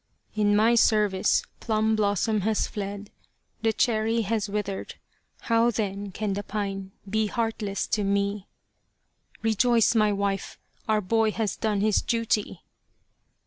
In my service Plum blossom has fled The Cherry has withered How then can the Pine be Heartless to me ?" Rejoice, my wife ! Our boy has done his duty